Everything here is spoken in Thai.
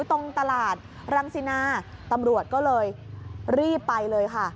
ตรงตลาดรังสินาตำรวจก็เลยรีบไปเลยค่ะ